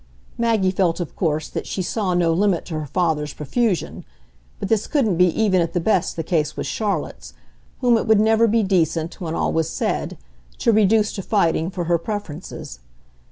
Maggie felt of course that she saw no limit to her father's profusion, but this couldn't be even at the best the case with Charlotte's, whom it would never be decent, when all was said, to reduce to fighting for her preferences.